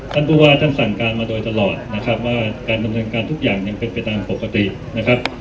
ท่านผู้ว่าท่านสั่งการมาโดยตลอดนะครับว่าการดำเนินการทุกอย่างยังเป็นไปตามปกตินะครับ